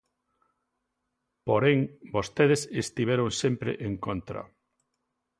Porén, vostedes estiveron sempre en contra.